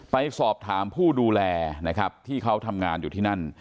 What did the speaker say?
ไปสอบถามผู้ดูแลนะครับที่เขาทำงานอยู่ที่นั่น